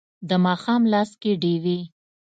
د ماښام لاس کې ډیوې